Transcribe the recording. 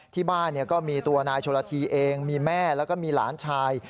ที่บ้านก็มีตัวนายโชลธีเองมีแม่แล้วก็มีหลานชาย